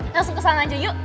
langsung kesana aja yuk